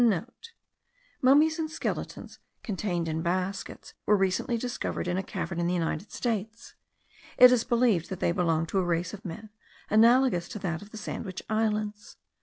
*(* Mummies and skeletons contained in baskets were recently discovered in a cavern in the United States. It is believed they belong to a race of men analogous to that of the Sandwich Islands.